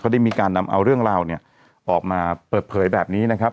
ได้มีการนำเอาเรื่องราวเนี่ยออกมาเปิดเผยแบบนี้นะครับ